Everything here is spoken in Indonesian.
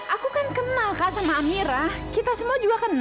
aku kan kenal kan sama amirah kita semua juga kenal